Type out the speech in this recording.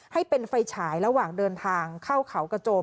ให้เป็นไฟฉายระหว่างเดินทางเข้าเขากระโจม